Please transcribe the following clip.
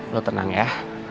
lo tenang ya